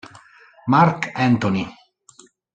Mark Anthony